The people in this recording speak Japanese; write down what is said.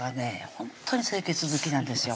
ほんとに清潔好きなんですよ